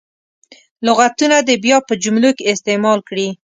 لغتونه دې بیا په جملو کې استعمال کړي.